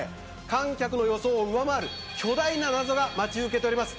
観客の予想を上回る巨大な謎が待ち受けております。